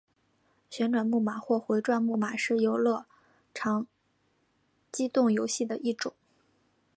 旋转木马或回转木马是游乐场机动游戏的一种。